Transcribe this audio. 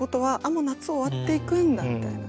もう夏終わっていくんだみたいな。